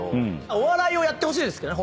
お笑いをやってほしいですけどね